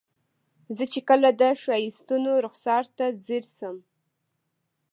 زه چې کله د ښایستونو رخسار ته ځیر شم.